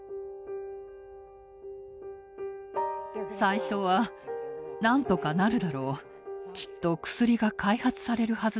最初は「なんとかなるだろうきっと薬が開発されるはずだ」と思っていました。